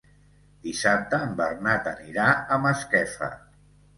Dissabte en Bernat anirà a Masquefa.